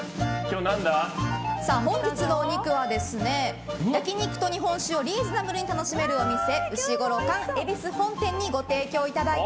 本日のお肉は焼き肉と日本酒をリーズナブルに楽しめるお店うしごろ貫恵比寿本店にご提供いただいた